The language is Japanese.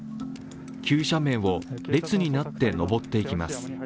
急斜面を列になって登っていきます。